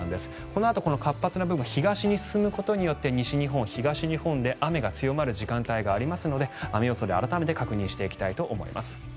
このあと、この活発な部分が東に進むことで西日本、東日本で雨が強まる時間帯がありますので雨予想で改めて確認していきたいと思います。